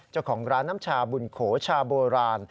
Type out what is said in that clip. เจ้าของร้านน้ำชาบุญโขชาโบราณ